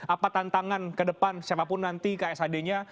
apa tantangan ke depan siapapun nanti ksad nya